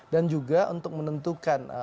dan juga untuk menentukan